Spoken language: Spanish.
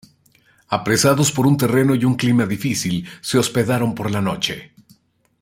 Apresados por un terreno y un clima difícil, se hospedaron por la noche.